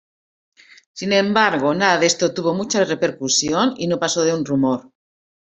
Sin embargo, nada de esto tuvo mucha repercusión, y no pasó de un rumor.